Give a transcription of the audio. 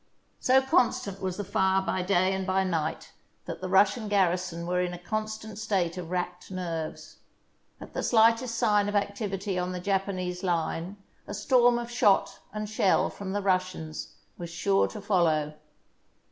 So constant was the fire by day and by night that the Russian garrison were in a constant state of racked nerves. At the slightest sign of activity on the Japanese line a storm of shot and shell from the Russians was sure to follow.